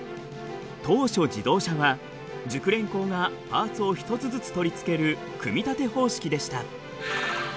当初自動車は熟練工がパーツを一つずつ取り付ける組み立て方式でした。